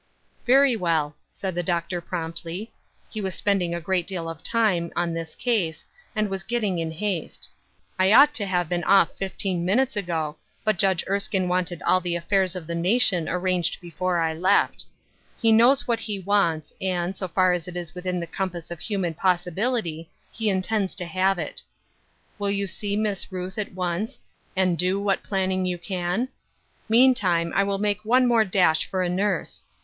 " Very well," answered the doctor, promptly. He was spending a great deal of time, on tliis case, and was getting in haste. "I ought to have been off fifteen minutes ago, but Judg^ Erskine wanted all the affairs of the nation arranged before I left. He knows what he wants, and, so far as it is within the compass of human possibility, he intends to have it. WiU 176 Ruth Erskine's Crosses. you see Miss Ruth at once, and do what plan ning you can ? Meantime, I will make one more dash for a nurse.